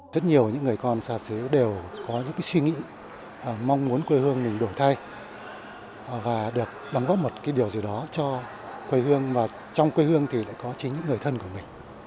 rất nhiều những người con xa xứ đều có những suy nghĩ mong muốn quê hương mình đổi thay và được đóng góp một cái điều gì đó cho quê hương và trong quê hương thì lại có chính những người thân của mình